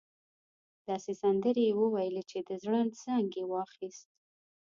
داسې سندرې يې وويلې چې د زړه زنګ يې واخيست.